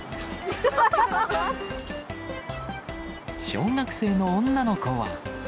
小学生の女の子は。